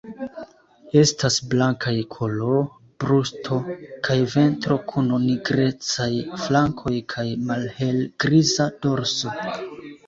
Estas blankaj kolo, brusto kaj ventro kun nigrecaj flankoj kaj malhelgriza dorso.